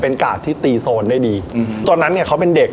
กาดที่ตีโซนได้ดีอืมตอนนั้นเนี่ยเขาเป็นเด็ก